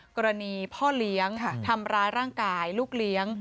กรณีพ่อเลี้ยงทำร้ายร่างกายลูกเลี้ยง